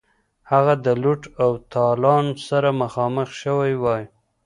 هغه د لوټ او تالان سره مخامخ شوی وای.